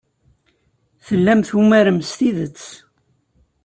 Tellam tumarem s tidet.